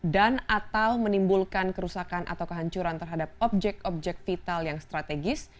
dan atau menimbulkan kerusakan atau kehancuran terhadap objek objek vital yang strategis